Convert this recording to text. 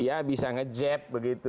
ya bisa nge jeb begitu